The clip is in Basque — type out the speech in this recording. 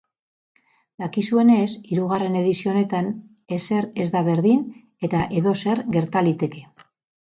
Dakizuenez, hirugarren edizio honetan ezer ez da berdin eta edozer gerta liteke.